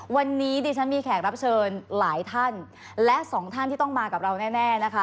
วันนี้ดิฉันมีแขกรับเชิญหลายท่านและสองท่านที่ต้องมากับเราแน่นะคะ